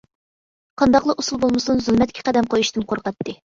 قانداقلا ئۇسۇل بولمىسۇن زۇلمەتكە قەدەم قويۇشتىن قورقاتتى.